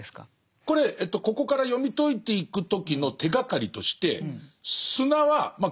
これここから読み解いていく時の手がかりとして砂はまあ